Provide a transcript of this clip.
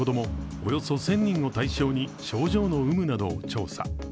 およそ１０００人を対象に症状の有無などを調査。